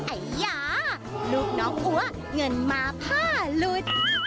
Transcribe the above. ไอ้ยาลูกน้องอัวเงินมาผ้าหลุด